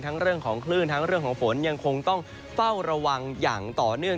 เรื่องของคลื่นทั้งเรื่องของฝนยังคงต้องเฝ้าระวังอย่างต่อเนื่อง